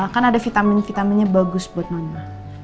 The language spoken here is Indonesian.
kan ada vitamin vitaminnya bagus buat mama